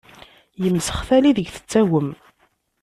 Yemsex tala ideg yettagem!